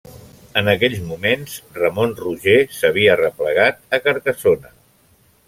En aquells moments Ramon Roger s'havia replegat a Carcassona.